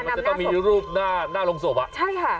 โอ้มันจะต้องมีรูปหน้าลงศพใช่ค่ะ